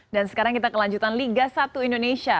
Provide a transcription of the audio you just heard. dan sekarang kita kelanjutan liga satu indonesia